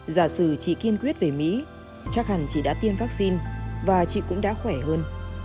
giả sử chị kiên quyết về mỹ chắc hẳn chị đã tiêm vaccine và chị cũng đã khỏe hơn